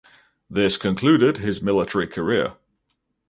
This concluded his military career.